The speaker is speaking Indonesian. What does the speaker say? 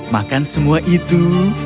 makan semua itu